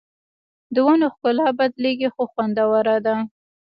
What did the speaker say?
د ونو ښکلا بدلېږي خو خوندوره ده